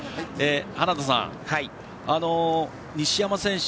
花田さん、西山選手